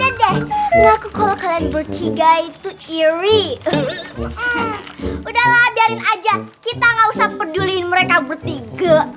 udah deh aku kalau kalian berjiga itu iri udahlah biarin aja kita nggak usah peduli mereka bertiga